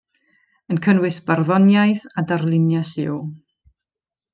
Yn cynnwys barddoniaeth a darluniau lliw.